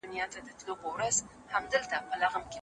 د ټولنې قوانینو او مقرراتو ته درناوی وکړئ.